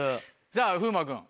さぁ風磨君。